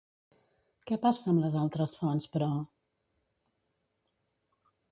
Què passa amb les altres fonts, però?